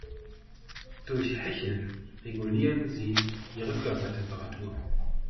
Durch Hecheln regulieren sie ihre Körpertemperatur.